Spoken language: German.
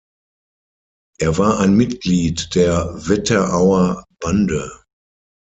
Er war ein Mitglied der Wetterauer Bande.